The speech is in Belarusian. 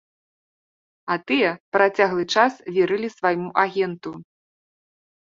А тыя працяглы час верылі свайму агенту.